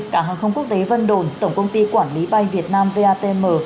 cảng hàng không quốc tế vân đồn tổng công ty quản lý bay việt nam vatm